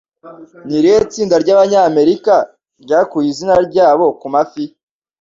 Ni irihe tsinda ry'Abanyamerika ryakuye izina ryabo ku mafi